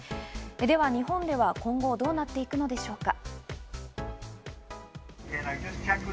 では日本では今後どうなっていくのでしょうか？